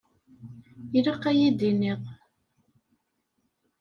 Ilaq ad yi-d-tiniḍ.